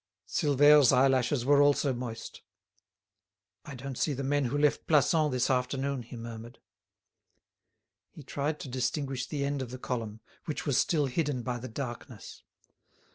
Silvère's eyelashes were also moist. "I don't see the men who left Plassans this afternoon," he murmured. He tried to distinguish the end of the column, which was still hidden by the darkness.